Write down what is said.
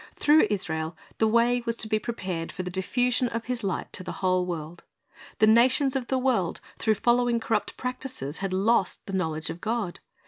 Through Israel the way was to be prepared for the diffusion of His light to the whole world. The nations of the world, through following corrupt practises, had lost the knowledge of God.